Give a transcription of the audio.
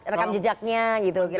rekam jejaknya gitu kira kira